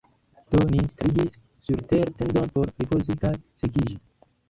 Do ni starigis surtere tendon por ripozi kaj sekiĝi.